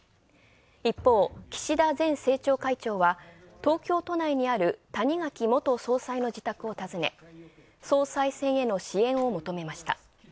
一方、岸田前政調会長は東京都内にある、谷垣元総裁の自宅を訪ね、総裁選への支援を求めました。